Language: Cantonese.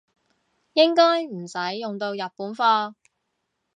應該唔使用到日本貨